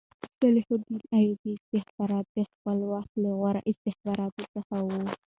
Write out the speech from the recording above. د صلاح الدین ایوبي استخبارات د خپل وخت له غوره استخباراتو څخه وو